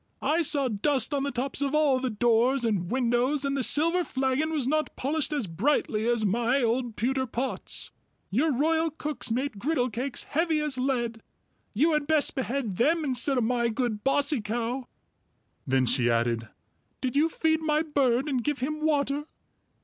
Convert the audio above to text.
I saw dust on the tops of all the doors and windows, and the silver flagon was not polished as brightly as my old pewter pots. Your royal cooks make griddlecakes heavy as lead; you had best behead them instead of my good Bossy Cow." Then she added, "Did you feed my bird and give him water?"